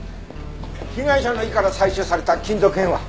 被害者の胃から採取された金属片は？